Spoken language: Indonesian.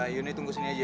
yuni tunggu sini aja ya